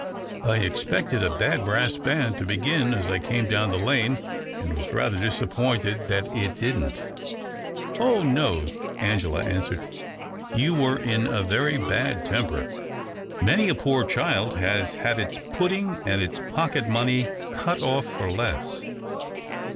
I expected I bad brass l)and to begin as I came down the ane, and was rather disappointed that it lidn't." " Oh no !" Angela answered. " You were n a very bad temper. Many a poor child 224 THE OCTAVE OF CLAUDIUS. lias liad its pudding and its pocket money cut off for less."